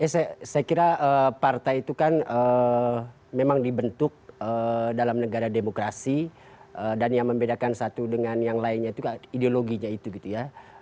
saya kira partai itu kan memang dibentuk dalam negara demokrasi dan yang membedakan satu dengan yang lainnya itu ideologinya itu gitu ya